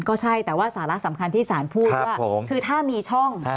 ก็ใช่แต่ว่าสาระสำคัญที่สารพูดว่าคือถ้ามีช่อง